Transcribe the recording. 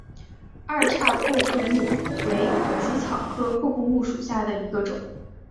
二叉破布木为紫草科破布木属下的一个种。